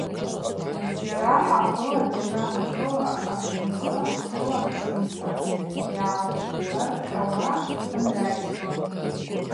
Зджьара хӏахъвыла, зджьара мшӏыла абжьынцӏы хӏылакшумца йгӏалхӏыркъьауа хӏымгӏвайсуан.